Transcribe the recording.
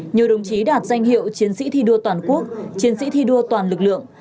nhiều đồng chí đạt danh hiệu chiến sĩ thi đua toàn quốc chiến sĩ thi đua toàn lực lượng